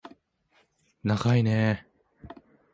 ながいねー